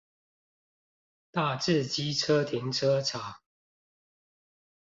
大智機車停車場